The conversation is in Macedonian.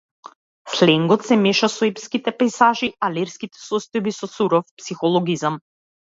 Сленгот се меша со епските пејзажи, а лирските состојби со суров психологизам.